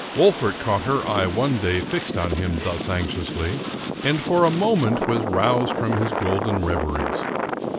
Wolfert caught her eye one day fixed on him thus anxiously, and for a. moment was roused from his golden reveries.